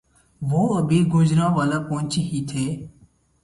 وہ ابھی گوجرانوالہ پہنچے ہی تھے